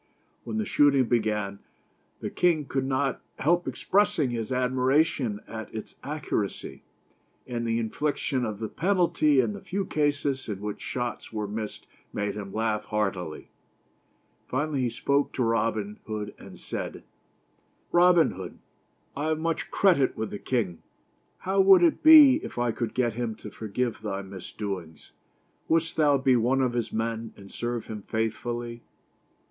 When the shooting began, the king could not 221 THE STORY OF ROBIN HOOD. help expressing his admiration at its accuracy; and the inflic tion of the penalty in the few cases in which shots were missed made him laugh heartily. Finally he spoke to Robin Hood and said :" Robin Hood, I have much credit with the king. How would it be if I could get him to forgive thy misdoings? Wouldst thou be one of his men and serve him faithfully?"